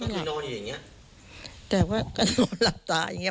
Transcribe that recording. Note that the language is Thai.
ลุกอย่างเร็วเลย